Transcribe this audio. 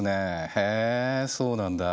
へえそうなんだ。